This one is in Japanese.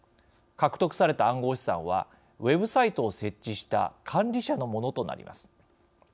獲得された暗号資産はウェブサイトを設置した管理者のものとなります。